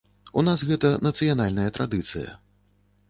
У нас гэта нацыянальная традыцыя.